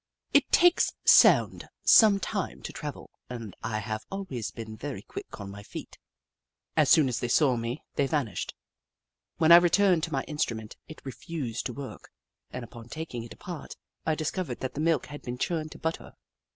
It takes sound some time to travel and I have always been very quick on my feet. As soon as they saw me, they vanished. When I returned to my instrument, it refused to work, and upon taking it apart, I discovered Jenny Ragtail 173 that the milk had been churned to butter.